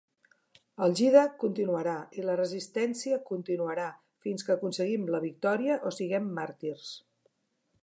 El gihad continuarà i la resistència continuarà fins que aconseguim la victòria o siguem màrtirs.